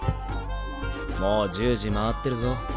もう１０時まわってるぞ。